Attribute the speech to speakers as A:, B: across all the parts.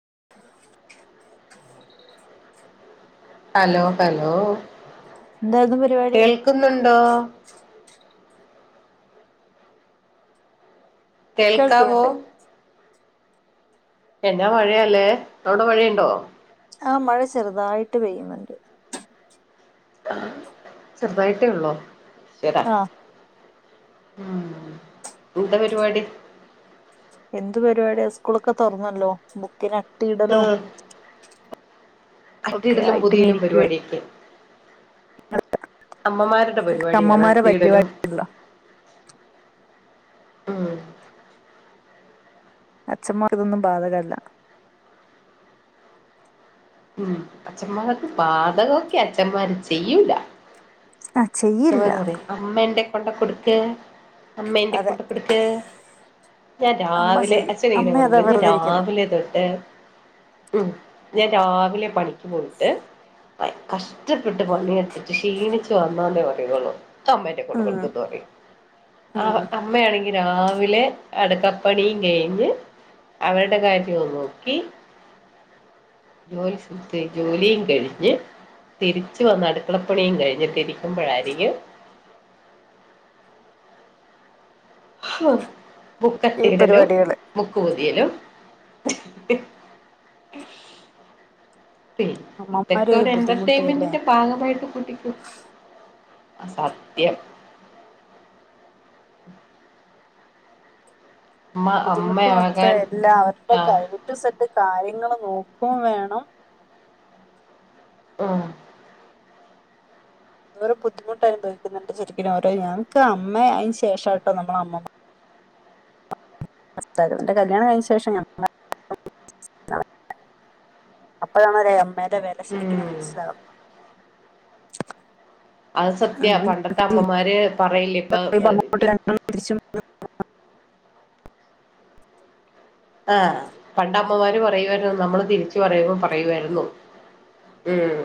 A: [unintelligible]
B: Hello hello
A: എന്തായിരുന്നു പരിപാടി
B: കേൾക്കുന്നുണ്ടോ? കേൾക്കാവോ?
A: കേൾക്കുന്നുണ്ട്
B: എന്നാ മഴയല്ലേ വിടെ മഴയുണ്ടോ?
A: ആഹ മഴ ചെറുതായിട്ട് പെയ്യുന്നുണ്ട്.
B: [unintelligible] ചെറുതായിട്ടേ ഉള്ളോ ശരാ
A: ആഹ്
B: ഉം എന്താ പരിപാടി?
A: എന്തു പരിപാടിയ സ്കൂളൊക്കെ തുറന്നല്ലോ ബുക്കിനെ അട്ടിയിടലും ഒക്കെ
B: അറ്റിടലും
A: ആയിട്ട് ഇങ്ങനെ
B: പുതിയലും
A: ഇരിക്കുവ
B: പരിപാടിയൊക്കെ, [unintelligible] അമ്മമാരുടെ പരിപാടിയാണ്
A: അമ്മമാരെ
B: അട്ടിയിടലും [unintelligible]
A: പരിപാടിയല്ലോ [unintelligible]
B: ഉം.
A: അച്ഛന്മാർ ഇതൊന്നും ബാധകല്ല.
B: ഉം. അച്ഛന്മാർക്ക് ബാധകം ഒക്കെയാ അച്ഛന്മാര് ചെയ്യൂല.
A: ആ ചെയ്യില്ല
B: ച്ഛമാര് പറയും അമ്മേ ന്റെ കൊണ്ട് കൊടുക്ക് അമ്മേ ന്റെ
A: അതെ
B: കൊണ്ട് കൊടുക്ക് ഞാൻ
A: അമ്മ
B: രാവിലെ
A: ചെയ്യും
B: അച്ഛനിങ്ങനെയാ
A: അമ്മ അതാ
B: പറയുള്ള് ഞാൻ
A: വെറുതെരിക്കുന്നു
B: രാവിലെ തൊട്ട് [unintelligible] ഉം ഞാൻ രാവിലെ പണിക്ക് പോയിട്ട് കഷ്ടപ്പെട്ട് പണിയെടുത്തിട്ട് ക്ഷീണിച്ചു വന്നാന്നേ പറയും [unintelligible] അമ്മേന്റെ കയ്യി കൊണ്ട്
A: ഉം
B: കൊടുക്കുന്ന് പറയും ആ
A: ഉം
B: അമ്മയാണങ്കി- രാവിലെ അടക്കപ്പണിയും കഴിഞ്ഞ് അവരുടെ കാര്യവും നോക്കി ജോലി സ് [unintelligible] ജോലിയും കഴിഞ്ഞ് തിരിച്ചു വന്ന് അടുക്കളപ്പണിയും കഴിഞ്ഞെക്കെ ഇരിക്കുമ്പഴായി രിക്കും- [unintelligible] [unintelligible] ഹ്അ ബുക്ക്
A: ഈ
B: തേടലും
A: പരിപാടികള്
B: ബുക്ക് പൊതി തിയലും [unintelligible] [unintelligible]
A: അമ്മമാര്
B: ഇതൊക്കെ ഒരു
A: ബുദ്ധിമുട്ടല്ലേ
B: എന്റർടൈംമെന്റിന്റെ ഭാഗമായിട്ട് കുട്ടിക്കോ അ സത്യം. അമ്മ
A: ബുദ്ധിമുട്ട് മൊത്തം
B: അമ്മയാകാൻ
A: എല്ലാം അവരുടെ
B: ആഹ്
A: [unintelligible] കാര്യങ്ങള്നോക്കുകയും വേണം.
B: ഉം [unintelligible]
A: രം ബുദ്ധിമുട്ട് അനുഭവിക്കുന്നുണ്ട് ശരിക്കും അരെ ഞങ്ങക്ക് അമ്മേ അയിന് ശേഷംട്ടോ നമ്മള അമ്മ പൊ എന്റെ കല്യാണം കഴിഞ്ഞശേഷം ഞങ്ങ [unintelligible] [unintelligible] നളെ അപ്പഴാണ് [unintelligible] മ്മേന്റെ വില
B: ഉം
A: ശരിക്കുംമനസ്സിലാവും.
B: അത് സത്യവാ
A: ഞങ്ങൾ
B: പണ്ടത്തെ
A: ഇങ്ങോട്ട് രീതിയിൽ
B: അമ്മമാര് പറയില്ലേ ഇപ്പൊ
A: പറയുമ്പോ അങ്ങോട്ട്
B: [unintelligible]
A: രണ്ടെണ്ണം തിരിച്ചു വന്ന്
B: ആ പണ്ട് അമ്മമാര് പറയു വായിരുന്നു നമ്മള് തിരിച്ച് പറയുമ്പോ പറയുവായിരുന്നു ഉം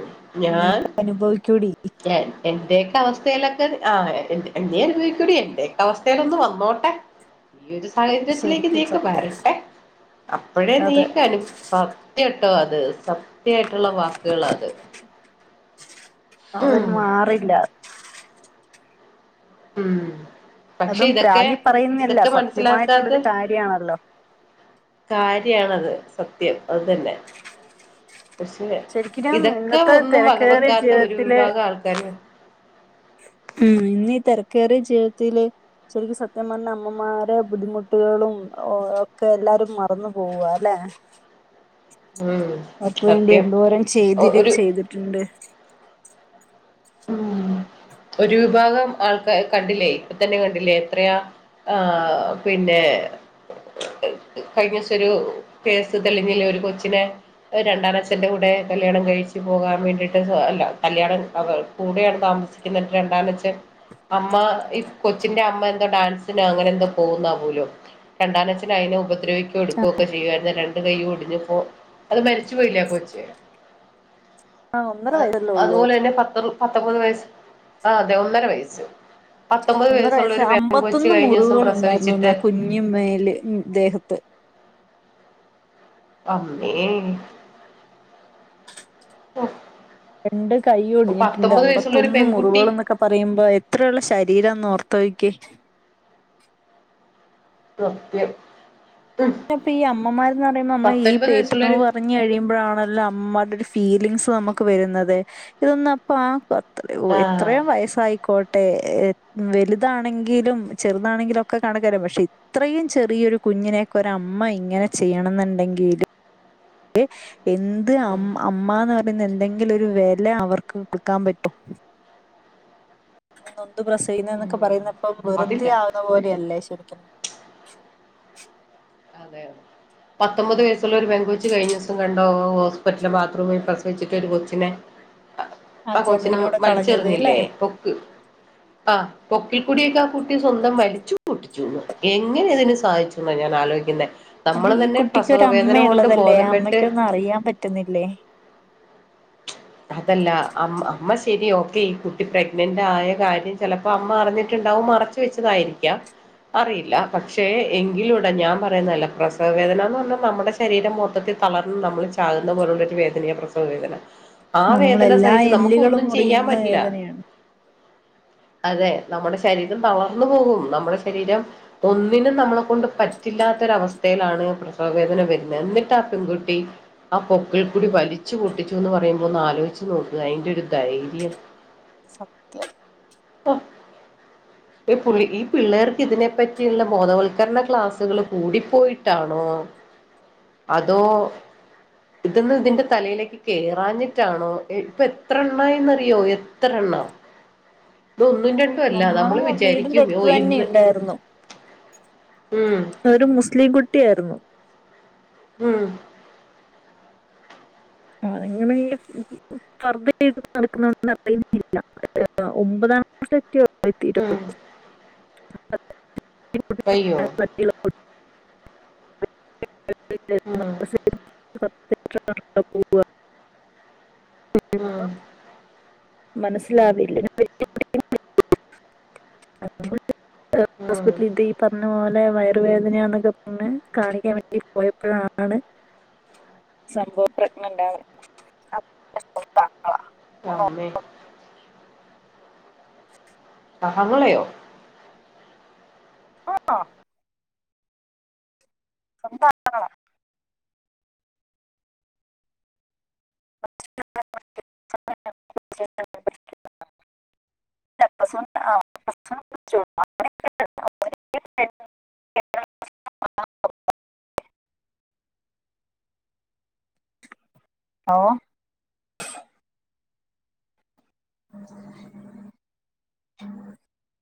A: നീ
B: ഞാൻ
A: അനുഭവിക്കൂടി
B: എ എന്റെ അവസ്ഥയിലൊക്കെ ആ ന്റ നീ അനുഭവിക്കുവടി എന്റെയൊക്കെ അവസ്ഥ ലൊന്ന് വന്നോട്ടെ. ഈ ഒരു സാഹചര്യത്തിലേക്ക്
A: ശരിക്കും
B: നീയൊക്ക
A: സത്യം
B: വരട്ടെ അപ്പോഴേ
A: അതെ
B: നീയൊക്കെ- അനുഭ് സത്യം ട്ടോ അത് സത്യായിട്ടുള്ള വാക്കുകളാ അത്.
A: അവര്
B: ഉം
A: മാറില്ല.
B: ഉം. പക്ഷെ
A: അതും
B: ഇതൊക്കെ
A: പ്രാഗി പറയുന്നില്ല
B: ഇതൊക്കെ മനസിലാക്കാത്ത
A: സത്യമായിട്ടുള്ളൊരു കാര്യമാണല്ലോ
B: കാര്യം ആണത്. സത്യം അത് തന്നെ. ക്ഷെ
A: ശരിക്കും
B: ഇതൊക്കെ
A: ഇന്നത്തെ
B: ഒന്നും
A: തിരക്കേറിയ
B: വകവെക്കാത്ത ഒരു
A: ജീവിതത്തില്
B: വിഭാഗം ആൾക്കാര്
A: ഉം. ഇന്നീ തിരക്കേറിയ ജീവിതത്തില് ശരിക്കും സത്യം പറഞ്ഞാൽ അമ്മമാരെ ബുദ്ധിമുട്ടുകളും ഒക്കെ എല്ലാരും മറന്നു പോവാ അല്ലെ?
B: ഉം
A: അവർക്ക് വേണ്ടി
B: സത്യം
A: എന്തോരം ചെയ്തിര്
B: ഒരു
A: ചെയ്തിട്ടുണ്ട്.
B: ഉം
A: [inaudible]
B: ഒരു വിഭാഗം ആൾക്കാ കണ്ടില്ലേ ഇപ്പ തന്നെ കണ്ടില്ലേ എത്രയാ ആ പിന്നെ ഏ കഴിഞ്ഞ ദിവസം ഒരു കേസ് തെളിഞ്ഞില്ലേ ഒരു കൊച്ചിനെ രണ്ടാനച്ഛന്റെ കൂടെ കല്യാണം കഴിച്ചു പോകാൻ വേണ്ടിട്ട് അല്ല കല്യാണം [inaudible] കൂടെയാണ് താമസിക്കുന്നത് രണ്ടാനച്ഛൻ അമ്മ ഈ കൊച്ചിന്റെ അമ്മ എന്തോ ഡാൻസി നോ അങ്ങനെ എന്തോ പോകുന്നാ പോലും രണ്ടാനച്ഛന് അതിനെ ഉപ ദ്രവിക്കുവോ എടുക്കൊക്കെ ചെയ്യുവായിരുന്നു. രണ്ടു കൈയും ഒടിഞ്ഞപ്പോ അത് മരിച്ചു പോയില്ലേ ആ കൊച്ച്.
A: ആ ഒന്നര
B: അ
A: വയസ്സല്ലേ ഉള്ളൂ
B: അതുപോലെ തന്നെ പത്ര പത്തൊമ്പത് വയസ് ആ അതെ ഒന്നര വയസ്സ്. പത്തൊമ്പത് വയസ്സുള്ള
A: ഒന്നരവയസ്.
B: ഒരു പെൺകൊച്ച്
A: അമ്പത്തൊന്ന്
B: കഴിഞ്ഞ ദിവസം
A: മുറിവുകളുണ്ടായിരുന്നു
B: പ്രസവിച്ചിട്ട്
A: ആ കുഞ്ഞ് മേൽ ദേഹത്ത്
B: അമ്മേ ഹോ
A: രണ്ട് കൈ ഒടിഞ്ഞിട്ടുണ്ട്
B: ഒരു
A: അമ്പത്തൊന്ന്
B: പെൺകുട്ടി
A: മുറിവുക എന്നൊക്കെ പറയുമ്പോ എത്രയുള്ള ശരീരം നോർ ഓർത്തു നോക്കിക്കേ
B: കൃത്യം
A: പ്പൊ ഈ അമ്മമാരന്ന് പറയുമ്പോൾ നമ്മള ഈ പേറ്റുോവ്
B: വയസ്സുള്ളൊരു
A: പറഞ് കഴിയുമ്പോഴാണല്ലോ അമ്മമാടെ ഒരു ഫീലിംഗസ് നമുക്ക് വരുന്നത് ഇതൊന്ന അപ്പ ആ
B: ആഹ്
A: എത്രയും വയസ്സായിക്കോട്ടെ മേ വലുതാണെങ്കിലും ചെറുതാണെങ്കിലും ഒക്കെ കാണക്കാരും പക്ഷെ ഇത്രയും ചെറിയൊരു കുഞ്ഞിനെ ഒര അമ്മ ഇങ്ങനെ ചെയ്യണം എന്നുണ്ടെങ്കില് എന്ത് അ അമ്മന്ന് പറയുന്ന എന്തെങ്കിലു ഒരു വില അവർക്ക് കൊടുക്കാൻ പറ്റോ അ നൊന്തു പ്രസവിക്കാൻ
B: ഉം
A: എന്നൊക്കെ പറയുന്നപ്പൊ
B: അതില്ല
A: വെറുതെ ആവുന്ന പോലെയല്ലേ ശരിക്കും
B: അതെ അതെ പത്തൊമ്പത് വയസ്സുള്ള ഒരു പെൺ കൊച്ചി കഴിഞ്ഞ ദിവസം കണ്ടോ ഹോസ്പിറ്റലില ബാത്റൂമിൽ പ്രസവിച്ചിട്ട് ഒരു കൊച്ചിനെ ആ കൊച്ചിനെ
A: ജനലിലൂടെ കളഞ്ഞത് അല്ലെ
B: വലിച്ചെറിഞ്ഞില്ലേ പൊക്ക് ആ പൊക്കിൽക്കൂടിയൊക്കെ ആ കുട്ടി സ്വന്തം വലിച്ചു പൊട്ടിച്ചൂന്ന് എങ്ങനെ അതിന് സധിച്ചുെന്നാണ് ഞാൻ ആലോചിക്കുന്നത്
A: അല്ല
B: നമ്മള്
A: ഈ
B: തന്നെ
A: കുട്ടിക്ക് ഒരു
B: പ്രസവവേദന കൊണ്ട്
A: അമ്മയുള്ളതല്ലേ
B: ബോധം
A: ആ
B: വെട്ട്
A: അമ്മയ്ക്കൊന്നും അറിയാൻ പറ്റുന്നില്ലേ [unintelligible]
B: അതല്ല അ അമ്മ ശരി ഓക്കെ ഈ കുട്ടി പ്രഗ്നന്റ് ആയ കാര്യം ചിലപ്പോ അമ്മ അറിഞ്ഞിട്ടുണ്ടാവും മറച്ച വെച്ചതായിരിക്കാം അറിയില്ല പക്ഷേ എങ്കിലുംൂടെ ഞാൻ പറയുന്നതല്ല പ്രസവ വേദന എന്ന് പറഞ്ഞാൽ നമ്മുടെ ശരീരം മൊത്തത്തിൽ കളർന്ന് നമ്മള് ചാകുന്ന പോലുള്ള ഒരു വേദനയ പ്രസവ വേദന
A: ആ നമ്മള
B: വേദന
A: എല്ലാ
B: സഹിച്ച് നമുക്ക്
A: എല്ലുകളും
B: ഒന്നും ചെയ്യാൻ
A: മുറിയുന്ന
B: പറ്റില്ല
A: വേദനയാണ്
B: അതെ നമ്മുടെ ശരീരം തളർന്നു പോകും നമ്മുടെ ശരീരം ഒന്നിനും നമ്മളെ കൊണ്ട് പറ്റില്ലാത്ത ത്ത ഒരു അവസ്ഥയിലാണ് പ്രസവ വേദന വരുന്നത് എന്നിട്ട് ആ പെൺകുട്ടി ആ പൊക്കിൽ കൂടി വലിച്ചു പൂട്ടി ന്ന് പറയുമ്പോ ഒന്ന് ആലോചിച്ച് നോക്കുക അയിന്റെ ഒരു ധൈര്യം ആ
A: [unintelligible]
B: ഈ ഈ പിള്ളേർക്ക് ഇതിനെപ്പറ്റിയുള്ള ബോധവൽക്കരണ ക്ലാസ്സുകള് കൂടിപ്പോയിട്ടാണോ അതോ ഇതന്ന് ഇതിന്റെ തലയിലേക്ക് കേറാഞ്ഞിട്ടാണോ ഇപ്പൊ എത്ര എണ്ണായിന്ന്റിയോ എത്ര എണ്ണം ഇത് ഒന്നും രണ്ടും അല്ല
A: നമ്മളെ
B: നമ്മള്
A: വീടിന്റെ
B: വിചാരിക്കും ഓ
A: അടുത്ത് തന്നെ
B: ഇന്ന്
A: ഇണ്ടായിരുന്നു
B: ഉം
A: ഒരു മുസ്ലിം കുട്ടിയായിരുന്നു
B: ഉം
A: അങ്ങനെ നടക്കുന്ന അറിയുന്നില്ല ഒമ്പത നരത്തി തൊള്ളായിരത്തി
B: ഉം
A: ഇരുപത്
B: വയ്യോ
A: [unintelligible]
B: ഉം
A: [unintelligible] [unintelligible]
B: ഉം
A: [unintelligible] മനസ്സിലാവില്ല
B: ഉം
A: ഹ്പ ഇത് ഈ പറഞ്ഞ പോ നല്ലെ വയറുവേദനയാന്നൊക്കെ പറെ കാണിക്കാൻ വേണ്ടി പോയപ്പോഴാണ് സംഭവം പ്രഗ്നന്റ് ആ
B: [unintelligible] സ്യെമളയോ
A: ആഹ [unintelligible] [unintelligible] [unintelligible] എ [unintelligible] [unintelligible] ഉ [unintelligible]